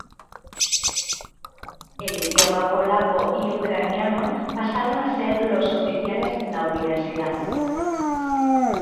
El idioma polaco y ucraniano pasaron a ser los oficiales en la universidad.